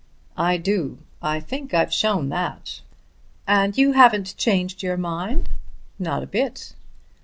"I do; I think I've shown that." "And you haven't changed your mind?" "Not a bit."